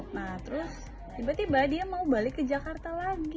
nah terus tiba tiba dia mau balik ke jakarta lagi